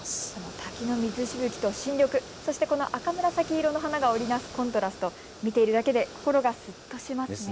滝の水しぶきと新緑、赤紫色の花が織りなすコントラスト、見ているだけで心がすっとしますね。